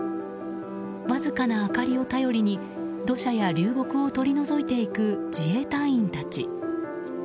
わずかな明かりを頼りに土砂や流木を取り除いていく自衛隊員たち。